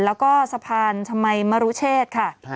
แล้วก็สะพานชมัยมรุเชษค่ะ